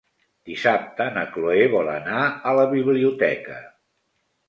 Dissabte na Cloè vol anar a la biblioteca.